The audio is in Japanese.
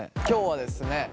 今日はですね